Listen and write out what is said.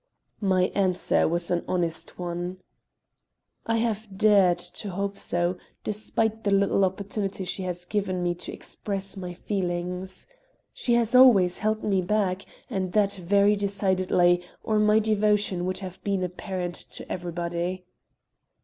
My answer was an honest one. "I have dared to hope so, despite the little opportunity she has given me to express my feelings. She has always held me back, and that very decidedly, or my devotion would have been apparent to everybody."